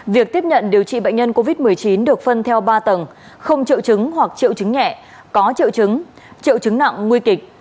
việc tiếp nhận điều trị bệnh nhân covid một mươi chín được phân theo ba tầng không triệu chứng hoặc triệu chứng nhẹ có triệu chứng triệu chứng nặng nguy kịch